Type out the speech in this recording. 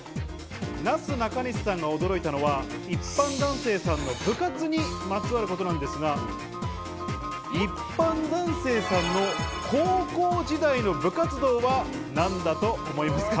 なすなかにしさんが驚いたのは一般男性さんの部活にまつわることなのですが、一般男性さんの高校時代の部活動は何だと思いますか？